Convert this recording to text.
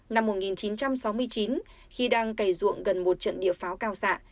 năm một nghìn chín trăm sáu mươi chín khi đang cày ruộng gần một trận địa pháo cao xạ